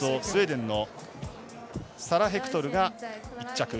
スウェーデンのサラ・ヘクトルが１着。